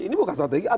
ini bukan strategi